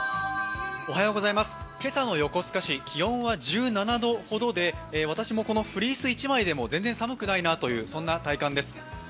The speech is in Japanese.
今朝の横須賀市、気温は１７度ほどで私もこのフリース一枚でも全然寒くないなという体感です。